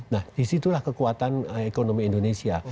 nah disitulah kekuatan ekonomi indonesia